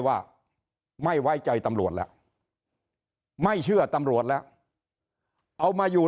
ว่าไม่ไว้ใจตำรวจแล้วไม่เชื่อตำรวจแล้วเอามาอยู่